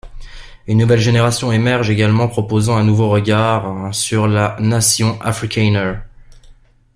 Une nouvelle génération émerge également proposant un nouveau regard sur la nation afrikaner.